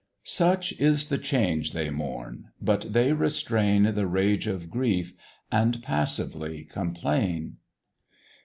Such is the change they mourn, but they restrain The rage of grief, and passively complain.